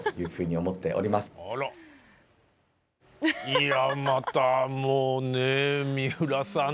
いやまたもうね三浦さん